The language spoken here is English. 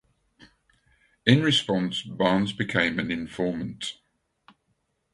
In response, Barnes became an informant.